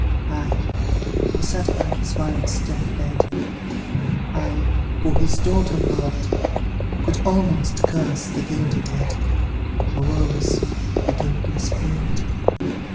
I, who sat by his wife's death bed, I, who his daughter loved, Could almost curse the guilty dead, For woes the guiltless proved.